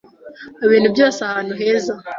Ibintu byose ahantu heza